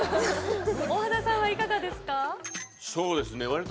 大和田さんはいかがですか？